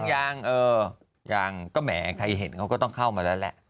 ยังเออยังก็แหมใครเห็นเขาก็ต้องเข้ามาแล้วแหละ